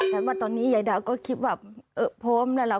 แปลว่าตอนนี้ยายดาก็คิดแบบเออพร้อมน่ะล่ะ